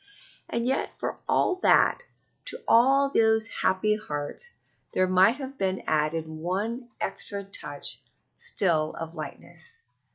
And yet for all that, to all those happy hearts there might have been added one extra touch still of lightness.